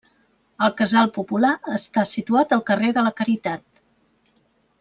El Casal Popular està situat al carrer de la Caritat.